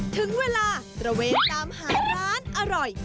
ถึงเวลาตระเวนตามหาร้านอร่อย